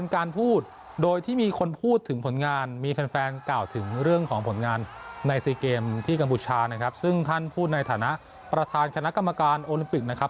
เกมที่กันบุชชานะครับซึ่งท่านพูดในฐานะประธานคณะกรรมการโอลิมปิกนะครับ